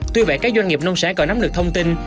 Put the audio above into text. tuy vậy các doanh nghiệp nông sản còn nắm được thông tin